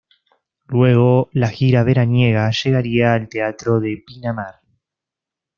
Luego la gira veraniega llegaría al Teatro de Pinamar.